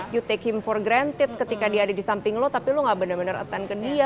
you take for granted ketika dia ada di samping lo tapi lo gak bener bener attend ke dia